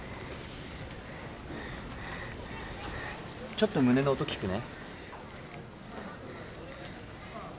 ちょっと胸の音聞くね。